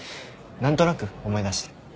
何となく思い出して。